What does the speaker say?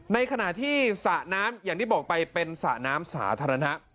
ในขณะที่สระน้ำอย่างที่บอกไปเป็นสระน้ำสาธารณะ